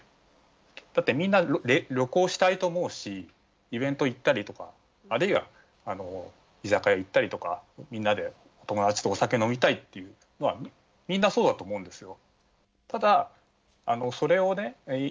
だって、みんな旅行したいと思うしイベント行ったりとか、あるいは居酒屋行ったりとかみんなで友達とお酒飲みたいっていうのはみんなそうだと思うんですよ。